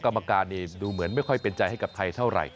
กรรมการนี่ดูเหมือนไม่ค่อยเป็นใจให้กับไทยเท่าไหร่